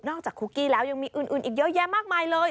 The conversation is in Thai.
จากคุกกี้แล้วยังมีอื่นอีกเยอะแยะมากมายเลย